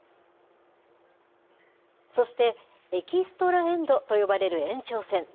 そして、エキストラエンドと呼ばれる延長戦。